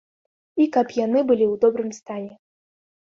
І каб яны былі ў добрым стане.